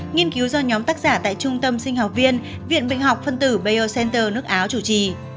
nghiên cứu do nhóm tác giả tại trung tâm sinh học viên viện bệnh học phân tử bueo center nước áo chủ trì